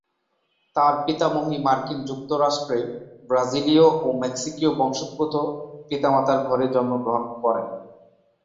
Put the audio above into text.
তার পিতামহী মার্কিন যুক্তরাষ্ট্রে ব্রাজিলীয় ও মেক্সিকীয় বংশোদ্ভূত পিতামাতার ঘরে জন্মগ্রহণ করেন।